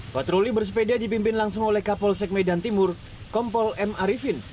patroli bersepeda dipimpin langsung oleh kapolsek medan timur kompol m arifin